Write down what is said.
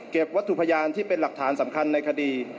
วัตถุพยานที่เป็นหลักฐานสำคัญในคดี